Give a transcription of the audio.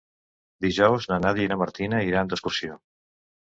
Dijous na Nàdia i na Martina iran d'excursió.